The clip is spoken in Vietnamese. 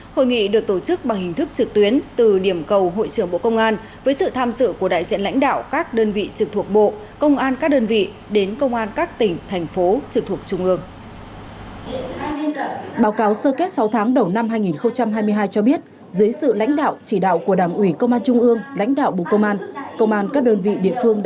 hội nghị được tổ chức bằng hình thức trực tuyến từ điểm cầu hội trưởng bộ công an với sự tham sự của đại diện lãnh đạo các đơn vị trực thuộc bộ công an các đơn vị đến công an các tỉnh thành phố trực thuộc trung ương